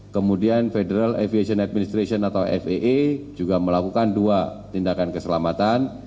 kemudian federal aviation administration atau faa juga melakukan dua tindakan keselamatan